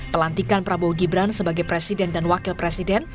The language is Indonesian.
pelantikan prabowo gibran sebagai presiden dan wakil presiden